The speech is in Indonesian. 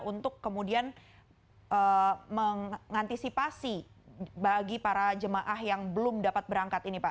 untuk kemudian mengantisipasi bagi para jemaah yang belum dapat berangkat ini pak